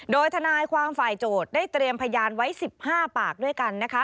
โดยทนายความฝ่ายโจทย์ได้เตรียมพยานไว้๑๕ปากด้วยกันนะคะ